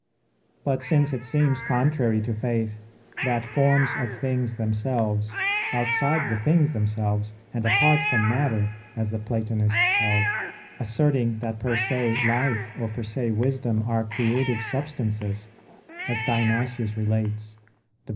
But since it seems contrary to faith that forms of things themselves, outside the things themselves and apart from matter, as the Platonists held, asserting that per se life or per se wisdom are creative substances, as Dionysius relates (Div.